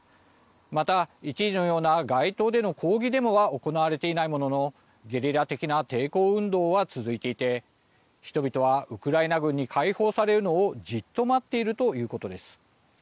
また、一時のような街頭での抗議デモは行われていないもののゲリラ的な抵抗運動は続いていて人々はウクライナ軍に解放されるのをじっと待っているということです。